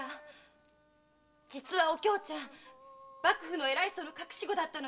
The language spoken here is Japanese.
⁉・実はお京ちゃんは幕府の偉い人の隠し子だったのよ。